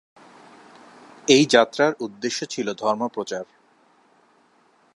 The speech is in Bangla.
এই যাত্রার উদ্দেশ্য ছিল ধর্ম প্রচার।